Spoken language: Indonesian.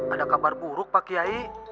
ada kabar buruk pak kiai